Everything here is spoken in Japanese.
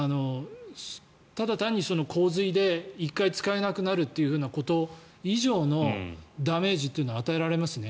ただ単に洪水で１回使えなくなるということ以上のダメージというのは与えられますね。